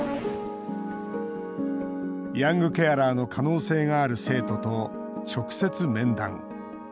ヤングケアラーの可能性がある生徒と直接、面談。